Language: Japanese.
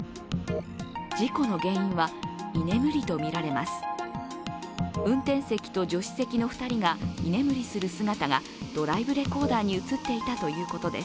事故の原因は居眠りとみられます。